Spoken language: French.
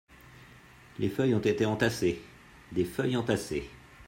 Les feuilles ont été entassés, des feuilles entassés.